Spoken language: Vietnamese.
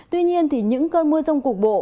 tuy nhiên thì những cơn mưa rông cục bộ